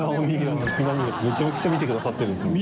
めちゃくちゃ見てくださってるんですね。